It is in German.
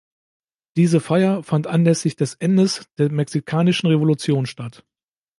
Diese Feier fand anlässlich des Endes der Mexikanischen Revolution statt.